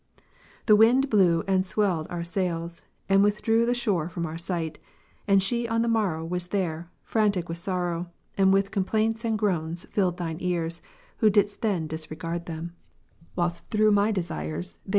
The wind blew and swelled our sails, and with drew the shore from our sight ; and she on the morrow was there, frantic with sorrow, and with complaints and groans filled Thine ears, who didst then disregard them ; whilst 1 The waters of baptism.